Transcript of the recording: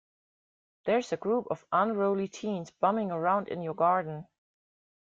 There's a group of unruly teens bumming around in your garden.